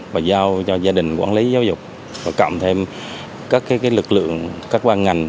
và giao cho gia đình quản lý giáo dục và cộng thêm các lực lượng các quan ngành